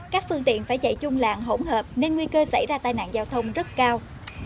các phương tiện phải chạy chung làng hỗn hợp nên nguy cơ xảy ra tai nạn giao thông rất cao